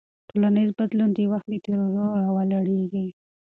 ټولنیز بدلون د وخت له تېرېدو راولاړېږي.